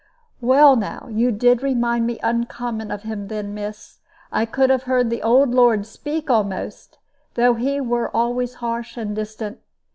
"Well, now, you did remind me uncommon of him then, miss. I could have heard the old lord speak almost, though he were always harsh and distant.